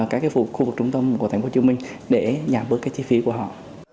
các cái khu vực trung tâm của thành phố châu minh để giảm bớt cái chi phí của họ